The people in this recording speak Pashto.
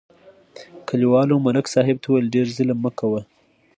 کلیوالو ملک صاحب ته وویل: ډېر ظلم مه کوه.